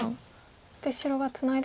そして白がツナいで